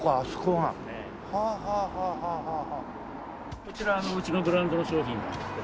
こちらうちのブランドの商品なんですけど。